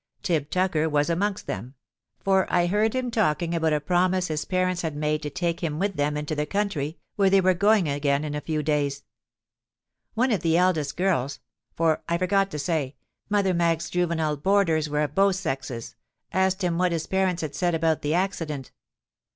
Tib Tucker was amongst them; for I heard him talking about a promise his parents had made to take him with them into the country, where they were going again in a few days. One of the eldest girls—for, I forgot to say, Mother Maggs's juvenile boarders were of both sexes—asked him what his parents had said about the accident.